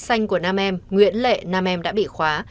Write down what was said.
tài khoản tiktok của nam em nguyễn lệ nam em đã bị khóa